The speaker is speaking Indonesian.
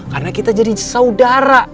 karena kita jadi saudara